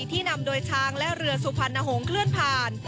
ที่นำโดยช้างและเรือสุพรรณหงษ์เคลื่อนผ่าน